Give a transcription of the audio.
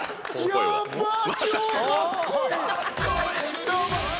やばい。